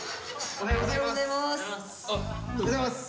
おはようございます。